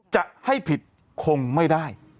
จะให้ผิดคงไม่ได้